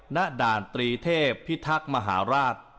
ณด่านตรีเทพพิทักษ์มหาราช